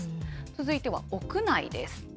続いては屋内です。